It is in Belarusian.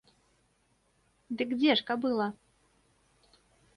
Дык дзе ж кабыла?